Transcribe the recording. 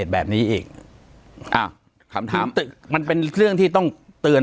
ปากกับภาคภูมิ